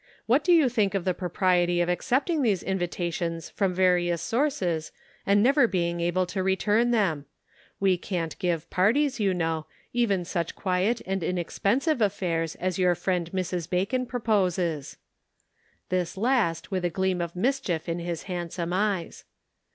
What do you think of "the propriety of accepting these invitations from various sources, and never being able to return them ? We can't give parties, you know, even such quiet and inexpensive affairs as your friend Mrs. Bacon proposes." This last with a gleam of mischief in his handsome eyes.